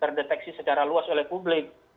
karena itu akan diperbolehkan oleh publik